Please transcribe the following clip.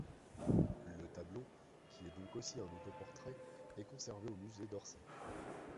Le tableau, qui est donc aussi un autoportrait, est conservé au musée d'Orsay.